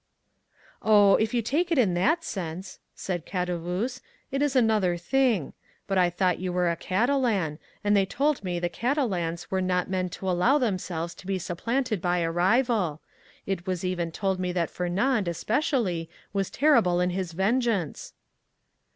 "Oh, if you take it in that sense," said Caderousse, "it is another thing. But I thought you were a Catalan, and they told me the Catalans were not men to allow themselves to be supplanted by a rival. It was even told me that Fernand, especially, was terrible in his vengeance."